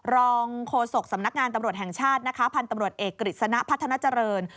รองโฆษกสำนักงานตำรวจแห่งชาตินะคะพันธุ์ตำรวจเอกกฤษณะพัฒนาเจริญ